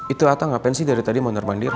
itu hatta ngapain sih dari tadi mau nerbandir